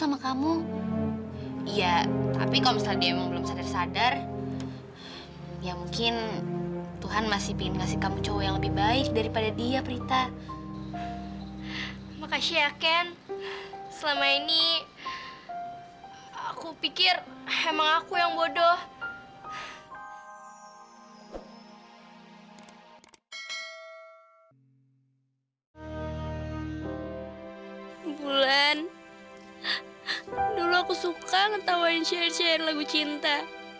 bulan dulu aku suka ngetawain syir syir lagu cinta